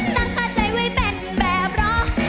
ตั้งข้อใจไว้เป็นแบบร้อย